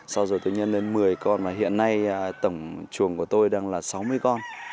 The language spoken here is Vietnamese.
sau rồi tôi nhân lên một mươi con và hiện nay tổng chuồng của tôi đang là sáu mươi con